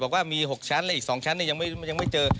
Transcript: บอกว่ามี๖ชั้นและอีก๒ชั้นยังไม่เจอ